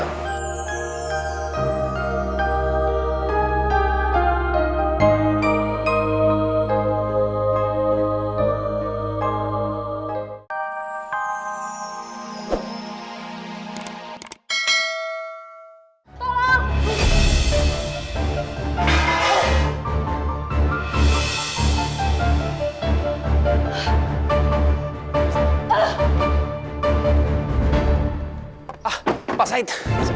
ah pak said